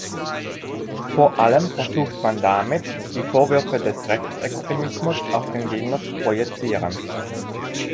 Vor allem versucht man damit, die Vorwürfe des Rechtsextremismus auf den Gegner zu projizieren.